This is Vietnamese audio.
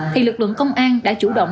thì lực lượng công an đã chủ động